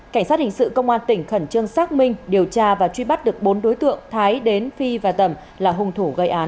cảnh sát hình sự công an tỉnh khẩn trương xác minh điều tra và truy bắt được bốn đối tượng thái đến phi và tẩm là hung thủ gây án